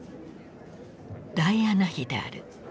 ダイアナ妃である。